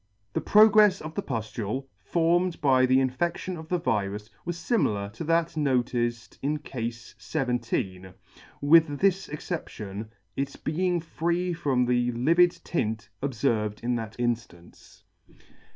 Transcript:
The progrefs of the puflule, formed by the infedtion of the virus, was fimilar to that noticed in Cafe XVII. with this exception, its being free from the livid tint obferved in that in fiance.